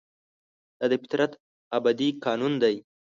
دا د فطرت ابدي قانون دی.